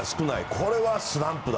これは、スランプだ。